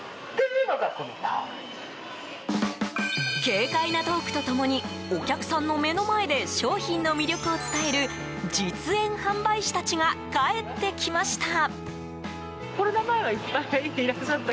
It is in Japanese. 軽快なトークと共にお客さんの目の前で商品の魅力を伝える実演販売士たちが帰ってきました！